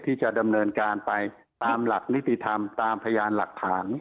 ที่จะดำเนินการไปตามหลักนิติธรรมตามพยานหลักฐาน